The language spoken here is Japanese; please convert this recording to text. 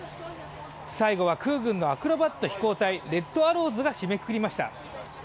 最後は空軍のアクロバット飛行隊レッドアローズが締めくくりました。